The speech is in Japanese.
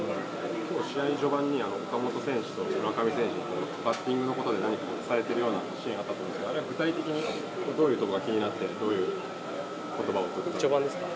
きょう試合序盤に岡本選手と村上選手と、バッティングのことで何か伝えているようなシーンがあったと思うんですけれども、あれは具体的に、どういうことが気になって、どう序盤ですか？